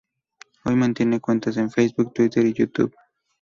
Hoy mantiene cuentas en Facebook, Twitter y YouTube.